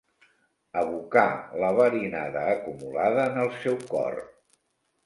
Abocà la verinada acumulada en el seu cor.